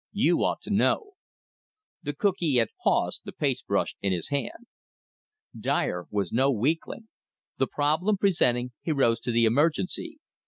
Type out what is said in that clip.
"You ought to know." The cookee had paused, the paste brush in his hand. Dyer was no weakling. The problem presenting, he rose to the emergency.